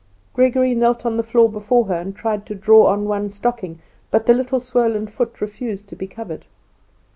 Gregory knelt on the floor before her, and tried to draw on one stocking, but the little swollen foot refused to be covered.